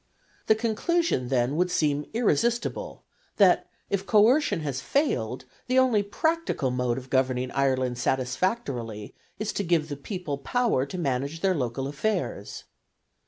The conclusion then would seem irresistible, that if coercion has failed, the only practical mode of governing Ireland satisfactorily is to give the people power to manage their local affairs.